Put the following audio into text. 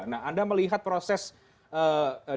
nah anda melihat proses dpr yang ini